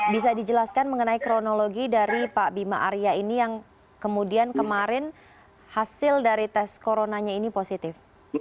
bisa dijelaskan mengenai kronologi dari pak bima arya ini yang kemudian kemarin hasil dari tes coronanya ini positif